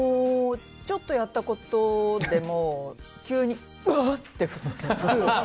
ちょっとやったことでも急に、わははってなる。